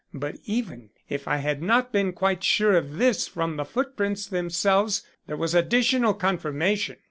But even if I had not been quite sure of this from the footprints themselves, there was additional confirmation.